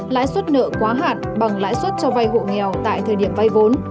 lãi suất nợ quá hạn bằng lãi suất cho vay hộ nghèo tại thời điểm vay vốn